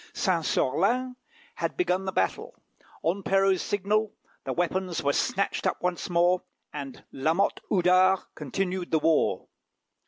Saint Sorlin had begun the battle. On Perrault's signal the weapons were snatched up once more, and Lamotte Houdard continued the war.